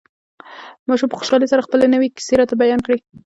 ماشوم په خوشحالۍ سره خپلې نوې کيسې راته بيان کړې.